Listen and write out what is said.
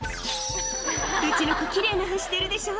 うちの子、きれいな歯してるでしょ。